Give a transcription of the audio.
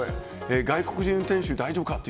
外国人運転手で大丈夫かと。